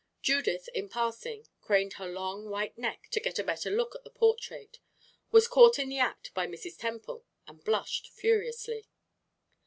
Judith, in passing, craned her long, white neck to get a better look at the portrait, was caught in the act by Mrs. Temple, and blushed furiously.